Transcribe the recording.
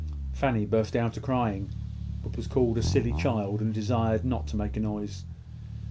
Fanny burst out a crying, but was called a silly child, and desired not to make a noise.